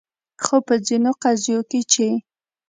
خو په ځینو قضیو کې چې